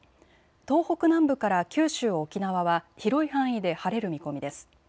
東北南部から九州、沖縄は広い範囲で晴れる見込みです。